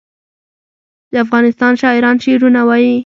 د افغانستان شاعران شعرونه وايي